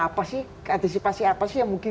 apa sih antisipasi apa sih yang mungkin